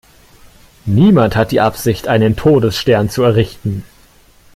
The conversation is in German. Niemand hat die Absicht, einen Todesstern zu errichten!